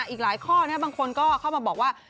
อีกหลายข้อบางคนก็เข้ามาบอกว่า